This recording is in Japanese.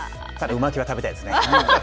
う巻きは食べたいですね。